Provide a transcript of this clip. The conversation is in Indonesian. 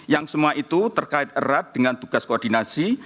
yang semua itu terkait erat dengan tugas koordinasi